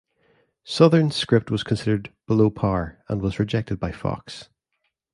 Southern's script was considered 'below par' and was rejected by Fox.